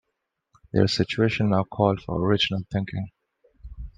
Their situation now called for original thinking.